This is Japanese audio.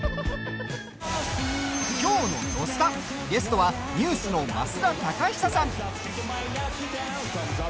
きょうの「土スタ」ゲストはＮＥＷＳの増田貴久さん。